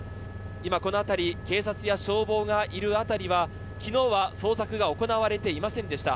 今、この辺り警察や消防がいる辺りは昨日は捜索が行われていませんでした。